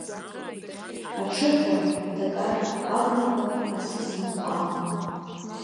Аҽыхәа, Ҭакар аблақәа, Асыс-мҟаа…